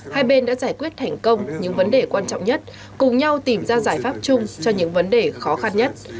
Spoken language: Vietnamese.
hai bên đã giải quyết thành công những vấn đề quan trọng nhất cùng nhau tìm ra giải pháp chung cho những vấn đề khó khăn nhất